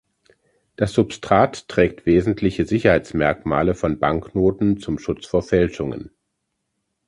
Das Substrat trägt wesentliche Sicherheitsmerkmale von Banknoten zum Schutz vor Fälschungen.